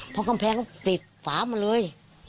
เพราะกำแพงเขาติดฝามาเลย